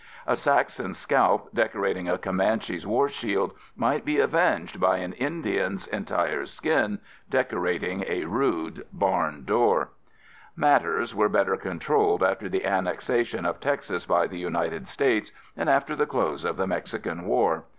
A Saxon's scalp decorating a Comanche's war shield might be avenged by an Indian's entire skin decorating a rude barn door. Matters were better controlled after the annexation of Texas by the United States and after the close of the Mexican War.